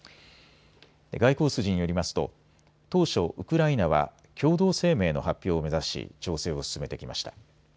外交筋によりますと当初、ウクライナは共同声明の発表を目指し調整を進めてきました。